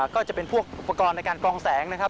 ก็จะเป็นพวกอุปกรณ์ในการกองแสงนะครับ